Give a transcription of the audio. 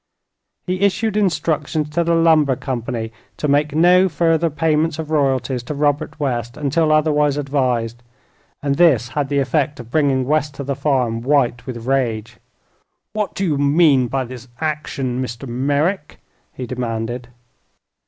He issued instructions to the lumber company to make no further payments of royalties to Robert West until otherwise advised, and this had the effect of bringing West to the farm white with rage. "What do you mean by this action, Mr. Merrick?" he demanded.